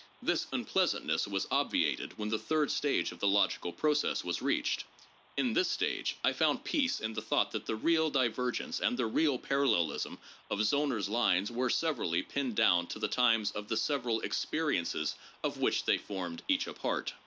This unpleasantness was obviated when the third stage of the logical process was reached. In this stage I found peace in the thought that the real divergence and the real parallelism of Zollner's lines were severally pinned down to the times of the several experiences of which they formed each a part.